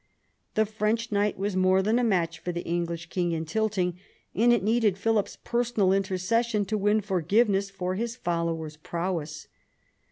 The French knight was more than a match for the English king in tilting, and it needed Philip's personal intercession to win forgiveness for his follower's prowess.